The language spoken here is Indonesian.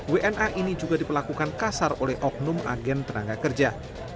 wna ini juga diperlakukan kasar oleh oknum agen tenaga kerja